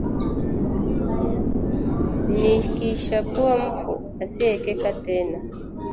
nikishakuwa mfu asiyeekeka tena